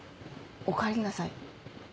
「おかえりなさい」？